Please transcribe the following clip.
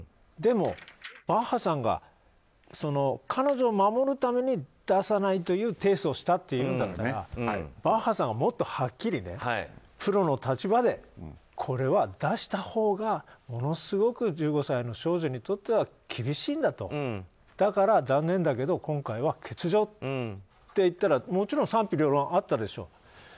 でも、バッハさんが彼女を守るために出さないという提訴をしたっていうんだったらバッハさんはもっとはっきりプロの立場でこれは出したほうが、ものすごく１５歳の少女にとっては厳しいんだとだから、残念だけど今回は欠場って言ったらもちろん賛否両論あったでしょう。